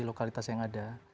lokalitas yang ada